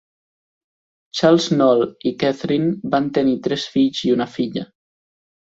Charles Knoll i Catherine van tenir tres fills i una filla.